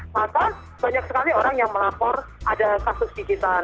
maka banyak sekali orang yang melapor ada kasus gigitan